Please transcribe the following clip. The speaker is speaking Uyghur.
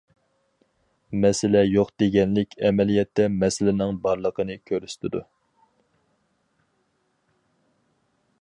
مەسىلە يوق دېگەنلىك ئەمەلىيەتتە مەسىلىنىڭ بارلىقىنى كۆرسىتىدۇ.